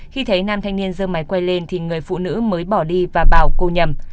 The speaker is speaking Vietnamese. khi thấy nam thanh niên dơ máy quay lên thì người phụ nữ mới bỏ đi và bảo cô nhầm